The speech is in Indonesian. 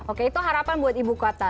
oke itu harapan buat ibu kota